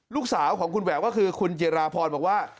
ลูกสาวของคุณแหววก็คือคุณจิราพรบอกว่า